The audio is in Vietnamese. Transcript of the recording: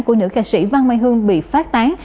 của nữ ca sĩ văn mai hương bị phát tán